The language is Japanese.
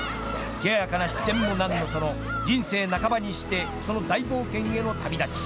冷ややかな視線もなんのその人生半ばにしてその大冒険への旅立ち。